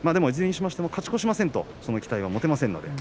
いずれにしても勝ち越しませんとその期待は持てません。